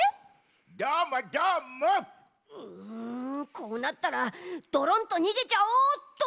こうなったらドロンとにげちゃおうっと！